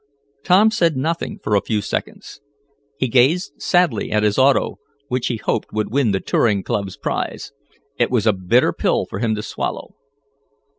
Tom said nothing for a few seconds. He gazed sadly at his auto, which he hoped would win the touring club's prize. It was a bitter pill for him to swallow.